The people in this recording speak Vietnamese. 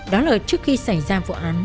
đó là trước khi xảy ra vụ án